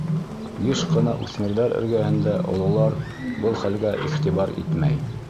Йыш ҡына үҫмерҙәр эргәһендә ололар был хәлгә иғтибар итмәй.